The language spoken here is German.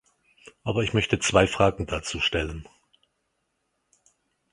Aber ich möchte zwei Fragen dazu stellen.